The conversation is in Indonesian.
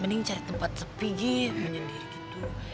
mending cari tempat sepi gitu menyendiri gitu